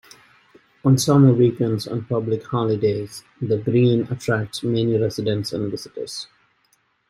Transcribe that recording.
On summer weekends and public holidays the Green attracts many residents and visitors.